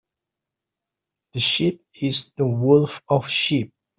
The sheep is the wolf of sheep.